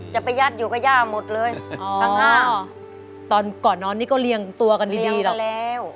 จะไปยัดอยู่ก็ย่าหมดเลยอ๋อตอนก่อนนอนนี่ก็เลี้ยงตัวกันดีดีหรอกเลี้ยงไปแล้ว